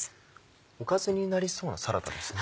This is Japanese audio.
おかずになりそうなサラダですね。